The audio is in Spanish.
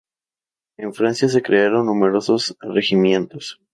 En Francia se crearon numerosos regimientos.